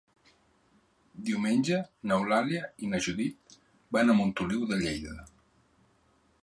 Diumenge n'Eulàlia i na Judit van a Montoliu de Lleida.